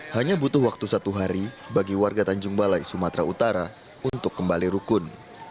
hanya butuh waktu satu hari bagi warga tanjung balai sumatera utara untuk kembali rukun